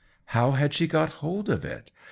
How had she got hold of it ?